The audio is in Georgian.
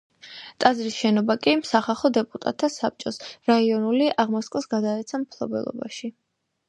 ტაძრის შენობა კი სახალხო დეპუტატთა საბჭოს რაიონული აღმასკომს გადაეცა მფლობელობაში.